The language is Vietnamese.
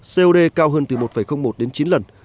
cod cao hơn từ một một đến chín lần